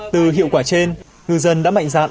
từ hiệu quả trên ngư dân đã mạnh dạn